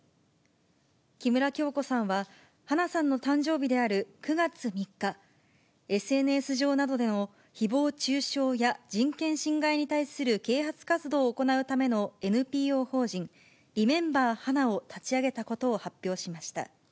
木村響子さんは、花さんの誕生日である９月３日、ＳＮＳ上などでのひぼう中傷や人権侵害に対する啓発活動を行うためのＮＰＯ法人リメンバー・ハナを立ち上げたことを発表しました。